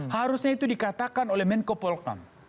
harusnya itu dikatakan oleh menko polkam